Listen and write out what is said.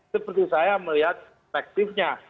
seperti saya melihat perspektifnya